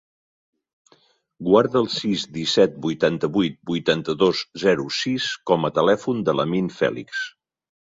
Guarda el sis, disset, vuitanta-vuit, vuitanta-dos, zero, sis com a telèfon de l'Amin Felix.